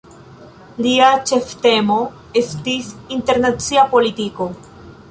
Lia ĉeftemo estis internacia politiko.